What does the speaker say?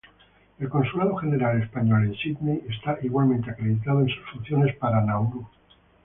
El consulado general español en Sidney está igualmente acreditado en sus funciones para Nauru.